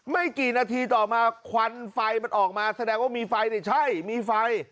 ไม่กี่นาทีต่อมาควันไฟมันออกมาแสดงว่ามีไฟนี่ใช่มีไฟ